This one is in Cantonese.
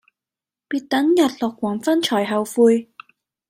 別等日落黃昏才後悔